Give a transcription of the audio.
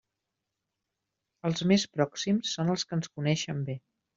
Els més pròxims són els que ens coneixen bé.